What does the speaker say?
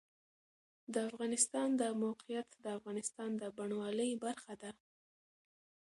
د افغانستان د موقعیت د افغانستان د بڼوالۍ برخه ده.